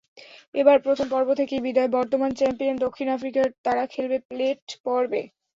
এবার প্রথম পর্ব থেকেই বিদায় বর্তমান চ্যাম্পিয়ন দক্ষিণ আফ্রিকার, তারা খেলবে প্লেটপর্বে।